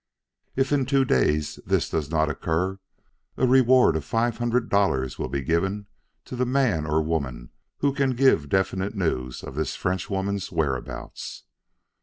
If in two days this does not occur, a reward of five hundred dollars will be given to the man or woman who can give definite news of this Frenchwoman's whereabouts.